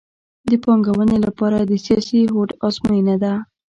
د پانګونې لپاره د سیاسي هوډ ازموینه ده